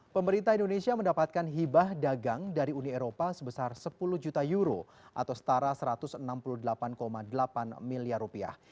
pemerintah indonesia mendapatkan hibah dagang dari uni eropa sebesar sepuluh juta euro atau setara satu ratus enam puluh delapan delapan miliar rupiah